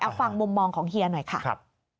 เอาฟังมุมมองของเฮียหน่อยค่ะ